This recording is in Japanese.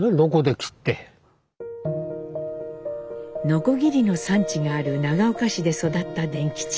ノコギリの産地がある長岡市で育った傳吉。